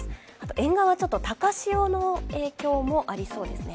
沿岸は高潮の影響もありそうですね。